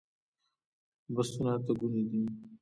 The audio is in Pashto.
بستونه اته ګوني دي